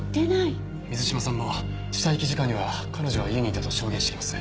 水島さんも死体遺棄時間には彼女は家にいたと証言しています。